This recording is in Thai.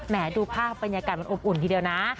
แหมดูภาพันธ์อุ่นทีเดียวนะ